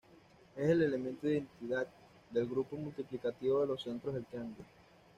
Es el "elemento identidad" del grupo multiplicativo de los centros del triángulo.